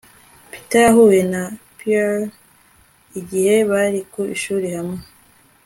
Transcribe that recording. Peter yahuye na Pearl igihe bari ku ishuri hamwe